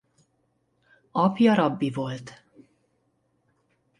Apja rabbi volt.